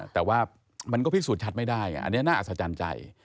แต่ว่ามันก็พิสูจนชัดไม่ได้ไงอันนี้น่าอัศจรรย์ใจ